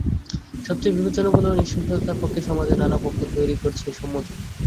সবচেয়ে বিপজ্জনক হলো, নৃশংসতার পক্ষে সমাজে নানা পক্ষ তৈরি করছে সম্মতি।